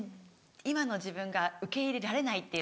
今の自分が受け入れられないっていうのが。